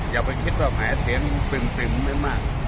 อย่าไปคิดว่าแหมเสียงตึงไม่มาก